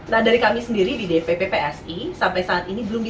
nah dari kami sendiri di pppsi sampai saat ini belum bisa memperhatikan